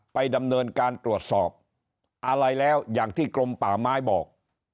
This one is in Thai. ไปดำเนินการตรวจสอบอะไรแล้วอย่างที่กรมป่าไม้บอก